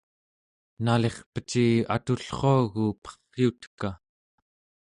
nalirpeci atullruagu perriuteka?